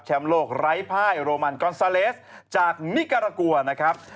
โลกไร้ภายโรมันกอนซาเลสจากนิการากัวนะครับ